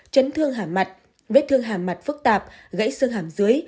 chấn thương hàm mặt vết thương hàm mặt phức tạp gãy xương hàm dưới